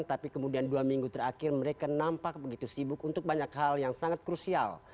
tapi kemudian dua minggu terakhir mereka nampak begitu sibuk untuk banyak hal yang sangat krusial